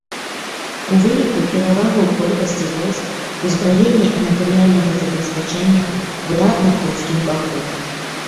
У выніку перавага ў колькасці войск, узбраення і матэрыяльнага забеспячэння была на польскім баку.